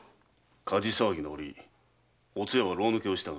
火事騒ぎのおりおつやが牢抜けをしたが。